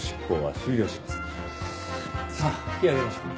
さあ引き揚げましょう。